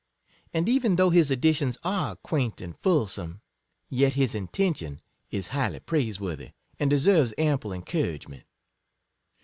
And even though his additions are quaint and fulsome, yet his intention is highly praise worthy, and deserves ample encouragement.